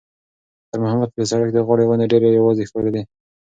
خیر محمد ته د سړک د غاړې ونې ډېرې یوازې ښکارېدې.